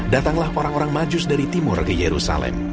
datanglah orang orang majus dari timur ke yerusalem